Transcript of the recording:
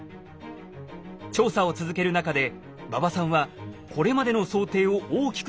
調査を続ける中で馬場さんはこれまでの想定を大きく